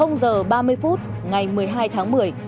giờ ba mươi phút ngày một mươi hai tháng một mươi